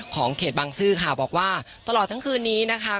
ของเขตบังซื้อค่ะบอกว่าตลอดทั้งคืนนี้นะคะ